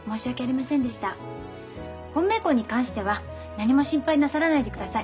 本命校に関しては何も心配なさらないでください。